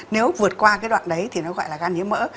nếu vượt qua cái đoạn đấy thì nó gọi là gan nhiễm mỡ